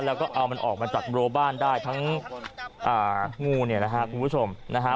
แล้วก็เอามันออกมาจากรัวบ้านได้ทั้งงูเนี่ยนะฮะคุณผู้ชมนะฮะ